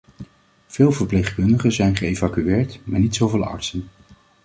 Veel verpleegkundigen zijn geëvacueerd, maar niet zo veel artsen.